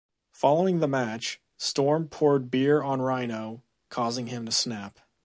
Following the match, Storm poured beer on Rhino, causing him to snap.